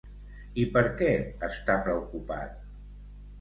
I per què està preocupat?